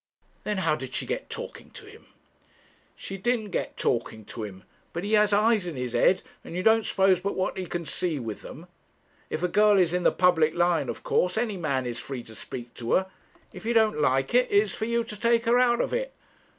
'Then how did she get talking to him?' 'She didn't get talking to him. But he has eyes in his head, and you don't suppose but what he can see with them. If a girl is in the public line, of course any man is free to speak to her. If you don't like it, it is for you to take her out of it.